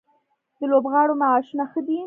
د لوبغاړو معاشونه ښه دي؟